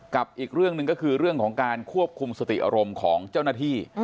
อีกเรื่องหนึ่งก็คือเรื่องของการควบคุมสติอารมณ์ของเจ้าหน้าที่